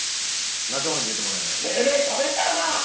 仲間に入れてもらえないかな？